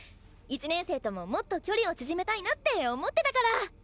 １年生とももっと距離を縮めたいなって思ってたから。